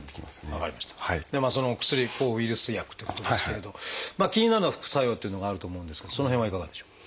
でまあそのお薬抗ウイルス薬ってことですけれど気になるのは副作用っていうのがあると思うんですがその辺はいかがでしょう？